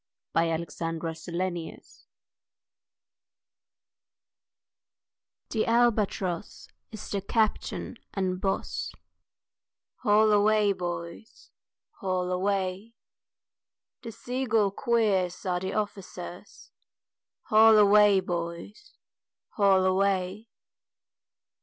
THE BIRD CREW The Albatross Is the captain and boss, Haul away boys, haul away! The sea gull queers Are the officeers, Haul away boys, haul away!